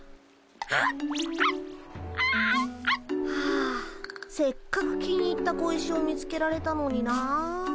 あせっかく気に入った小石を見つけられたのにな。